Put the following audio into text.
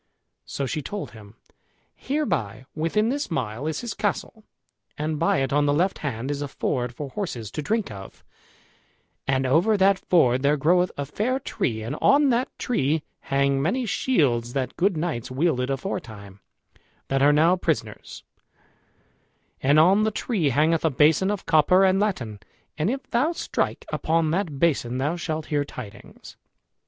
So she told him, "Hereby, within this mile, is his castle, and by it on the left hand is a ford for horses to drink of, and over that ford there groweth a fair tree, and on that tree hang many shields that good knights wielded aforetime, that are now prisoners; and on the tree hangeth a basin of copper and latten, and if thou strike upon that basin thou shalt hear tidings."